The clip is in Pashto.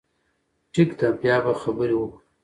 ټيک ده، بيا به خبرې وکړو